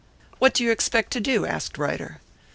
"What do you expect to do?" asked Ryder.